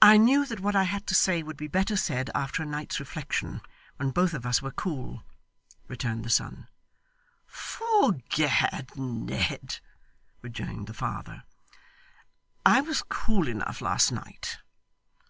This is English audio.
'I knew that what I had to say would be better said after a night's reflection, when both of us were cool,' returned the son. ''Fore Gad, Ned,' rejoined the father, 'I was cool enough last night.